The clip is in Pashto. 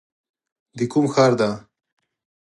د کوم ښار دی ؟